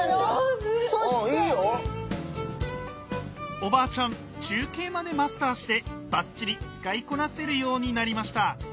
おばあちゃん中継までマスターしてバッチリ使いこなせるようになりました。